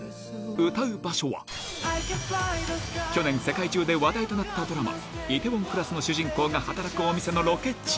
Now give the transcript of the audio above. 歌う場所は、去年、世界中で話題となったドラマ、李泰院クラスの主人公が働くお店のロケ地。